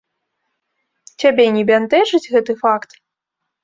Цябе не бянтэжыць гэты факт?